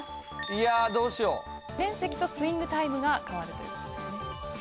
いやどうしよう面積とスイングタイムが変わるということですね